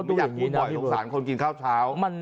ไม่อยากกินบ่อยสงสารคนกินข้าวเช้า